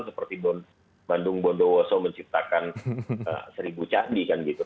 seperti bandung bondowoso menciptakan seribu candi kan gitu